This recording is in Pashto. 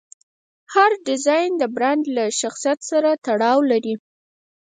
هر ډیزاین د برانډ له شخصیت سره تړاو لري.